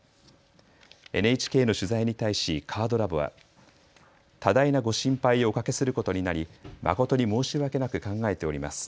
ＮＨＫの取材に対しカードラボは多大なご心配をおかけすることになり誠に申し訳なく考えております。